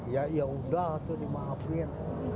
ya yaudah tuh dimaafin